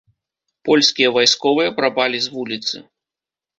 Польскія вайсковыя прапалі з вуліцы.